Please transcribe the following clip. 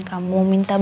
kamu minta bantuan